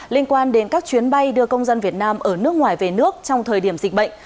liên quan đến các chuyến bay đưa công dân việt nam ở nước ngoài về nước trong thời điểm dịch bệnh